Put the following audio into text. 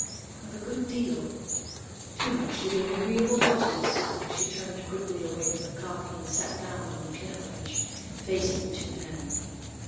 "I've a good deal. Too much to be an agreeable hostess." She turned quickly away from the coffee and sat down on the piano bench, facing the two men.